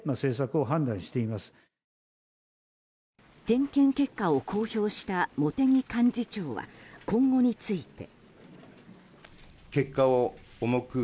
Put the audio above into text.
点検結果を公表した茂木幹事長は今後について。